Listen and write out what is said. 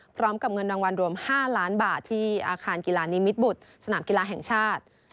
พร้อมกับเงินรางวัลรวม๕ล้านบาทที่อาคารกีฬานิมิตบุตรสนามกีฬาแห่งชาติ